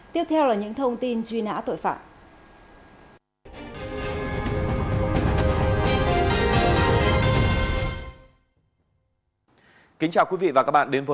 tiếp theo là những thông tin truy nã tội phạm